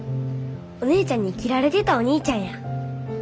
お姉ちゃんに斬られてたおにいちゃんや。